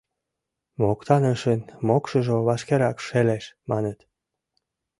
Моктанышын мокшыжо вашкерак шелеш, маныт.